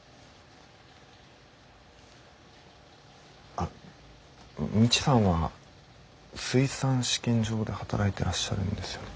あっ未知さんは水産試験場で働いてらっしゃるんですよね？